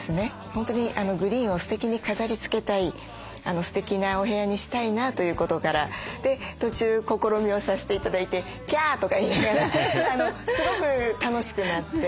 本当にグリーンをステキに飾りつけたいステキなお部屋にしたいなということから途中試みをさせて頂いてキャーとか言いながらすごく楽しくなって。